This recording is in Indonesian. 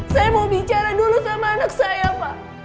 saya mau bicara dulu sama anak saya pak